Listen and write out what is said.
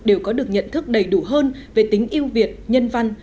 đều có được nhận thức đầy đủ hơn về tính yêu việt nhân văn